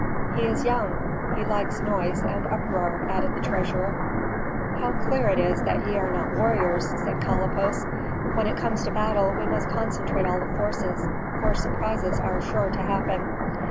"He is young; he likes noise and uproar," added the treasurer. "How clear it is that ye are not warriors," said Kalippos. "When it comes to battle we must concentrate all the forces, for surprises are sure to happen."